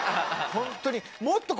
ホントに。